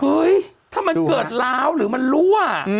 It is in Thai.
เฮ้ยถ้ามันเกิดล้าวหรือมันรั่ว